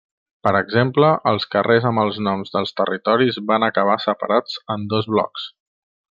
Per exemple, els carrers amb els noms dels territoris van acabar separats en dos blocs.